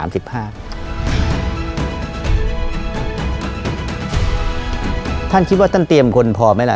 ท่านคิดว่าท่านเตรียมคนพอไหมล่ะ